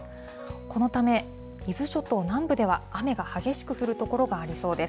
このため、伊豆諸島南部では雨が激しく降る所がありそうです。